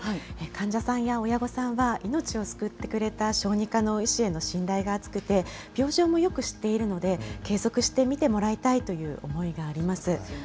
患者さんや親御さんは、命を救ってくれた小児科の医師への信頼が厚くて、病状もよく知っているので、継続して診てもらいたいという思いがあります。